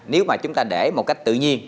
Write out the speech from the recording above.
nếu mà chúng ta để một cách tự nhiên